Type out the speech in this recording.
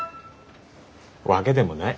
わけでもない。